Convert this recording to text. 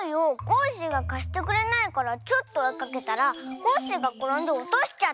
コッシーがかしてくれないからちょっとおいかけたらコッシーがころんでおとしちゃったんでしょ。